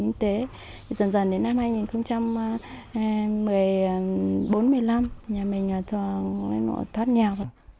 yên tế dần dần đến năm hai nghìn một mươi bốn hai nghìn một mươi năm nhà mình thường thoát nghèo